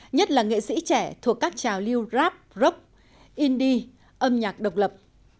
nhất là nghệ sĩ trẻ thuộc các trào lưu rap rock indie âm nhạc độc lập